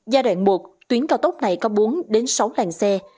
giai đoạn một tuyến cao tốc này có bốn sáu làng xe